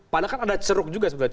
padahal kan ada ceruk juga sebenarnya